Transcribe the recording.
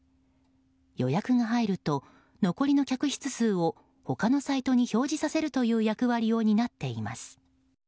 予約が入ると残りの客室数を他のサイトに表示させるという役割を担っています。